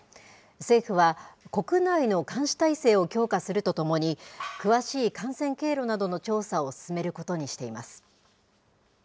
政府は、国内の監視体制を強化するとともに、詳しい感染経路などの調査を進めることにしています。